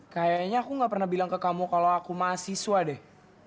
kayaknya aku gak pernah bilang ke kamu kalau aku mahasiswa deh